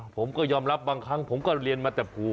ผมก็ยอมรับบางครั้งผมก็เรียนมาแต่ภู